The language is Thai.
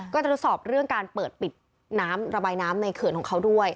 ก็จะทดสอบเรื่องการเปิดปิดน้ำระบายน้ำในเขื่อนของเขาด้วย